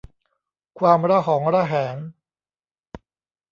ความระหองระแหง